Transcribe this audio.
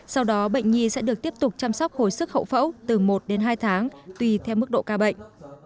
sau đó bệnh nhi sẽ được tiếp tục chăm sóc hồi sức hậu phẫu từ một đến hai tháng tùy theo mức độ ca bệnh